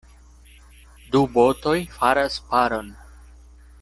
Du botoj faras paron.